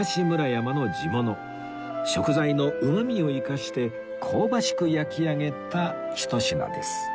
食材のうまみを生かして香ばしく焼き上げたひと品です